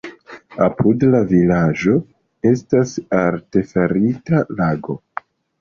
Apud la vilaĝo estas artefarita lago.